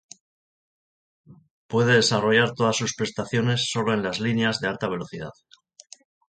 Puede desarrollar todas sus prestaciones solo en las líneas de alta velocidad.